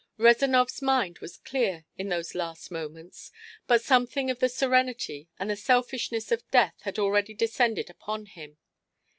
Rezanov's mind was clear in those last moments, but something of the serenity and the selfishness of death had already descended upon him.